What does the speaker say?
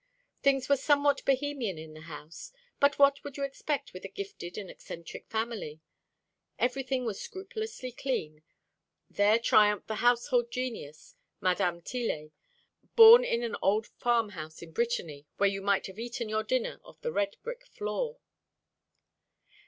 Things were somewhat Bohemian in the house; but what would you expect with a gifted and eccentric family? Everything was scrupulously clean. There triumphed the household genius, Mdme. Tillet, born in an old farmhouse in Brittany, where you might have eaten your dinner off the red brick floor.